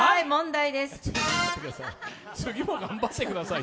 次も頑張ってくださーい。